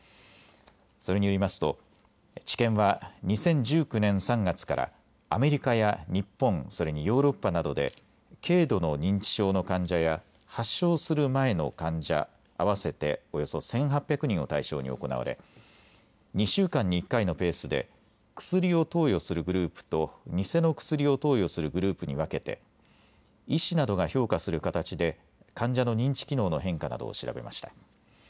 それによりますと治験は２０１９年３月からアメリカや日本、それにヨーロッパなどで軽度の認知症の患者や発症する前の患者合わせておよそ１８００人を対象に行われ２週間に１回のペースで薬を投与するグループと偽の薬を投与するグループに分けて医師などが評価する形で患者の認知機能の変化などを調べました。